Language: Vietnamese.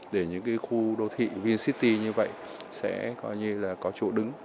để những khu đô thị vincity như vậy sẽ có chỗ đứng